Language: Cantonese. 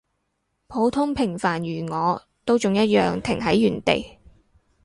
普通平凡如我，都仲一樣停喺原地